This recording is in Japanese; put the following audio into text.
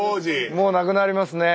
もうなくなりますね。